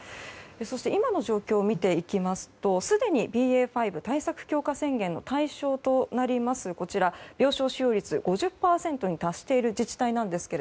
そして今の状況を見ていくとすでにＢＡ．５対策強化宣言の対象となる病床使用率５０％に達している自治体なんですが